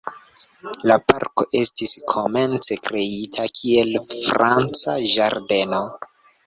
La parko estis komence kreita kiel franca ĝardeno.